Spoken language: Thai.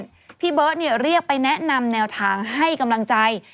เพราะฉะนั้นพี่เบิร์ดเนี่ยเรียกไปแนะนำแนวทางให้กำลังใจ